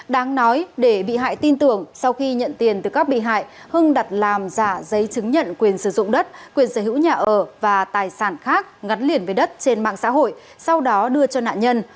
đáng nói để bị hại tin tưởng sau khi nhận tiền từ các bị hại hưng đặt làm giả giấy chứng nhận quyền sử dụng đất quyền sở hữu nhà ở và tài sản khác ngắn liền với đất trên mạng xã hội sau đó đưa cho nạn nhân